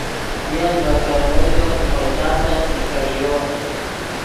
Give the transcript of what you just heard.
ین ڤے کرمیچو نے خوئے تاتن نیݰݱیو